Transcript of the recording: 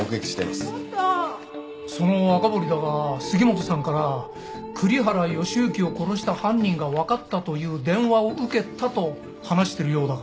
その赤堀だが杉本さんから栗原善行を殺した犯人がわかったという電話を受けたと話してるようだが。